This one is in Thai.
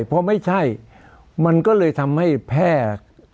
เพราะไม่ใช่มันก็เลยทำให้แพทย์